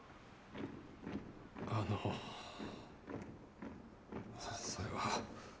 あのそれは。